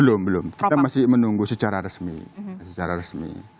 belum belum kita masih menunggu secara resmi